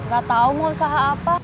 gak tau mau usaha apa